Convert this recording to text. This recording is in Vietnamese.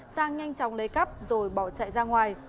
sang nhanh chóng lấy cắp rồi bỏ chạy ra ngoài